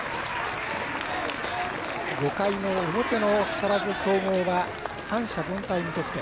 ５回の表の木更津総合は三者凡退、無得点。